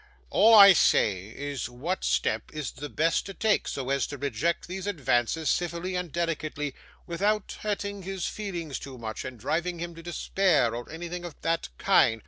All I say is, what step is the best to take, so as to reject these advances civilly and delicately, and without hurting his feelings too much, and driving him to despair, or anything of that kind?